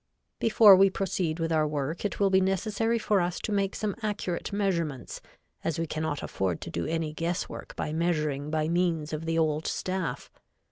Before we proceed with our work it will be necessary for us to make some accurate measurements, as we cannot afford to do any guess work by measuring by means of the old staff.